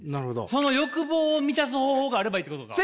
その欲望を満たす方法があればいいってことか。